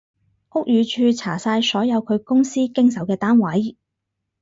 屋宇署查晒所有佢公司經手嘅單位